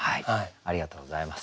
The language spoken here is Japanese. ありがとうございます。